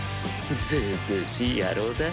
ずうずうしい野郎だ。